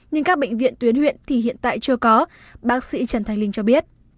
nhưng các bệnh viện tuyến huyện thì hiện tại chưa có bác sĩ trần thanh linh cho biết